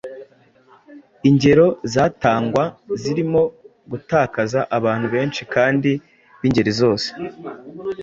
Ingero zatangwa zirimo gutakaza abantu benshi kandi b’ingeri zose.